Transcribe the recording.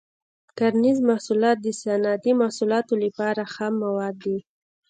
کرنیز محصولات د صنعتي محصولاتو لپاره خام مواد دي.